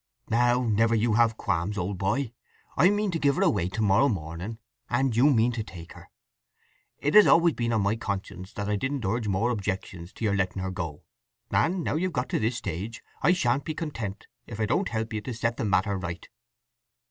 "Now, never you have qualms, old boy. I mean to give her away to morrow morning, and you mean to take her. It has always been on my conscience that I didn't urge more objections to your letting her go, and now we've got to this stage I shan't be content if I don't help you to set the matter right."